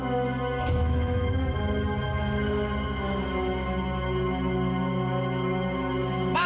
tol atau pasangan